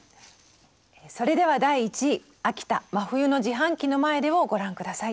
それでは第１位「秋田真冬の自販機の前で」をご覧下さい。